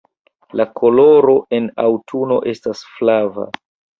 La koloro en aŭtuno estas flava.